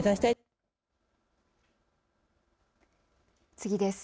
次です。